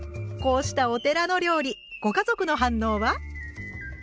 こうしたお寺の料理ご家族の反応は？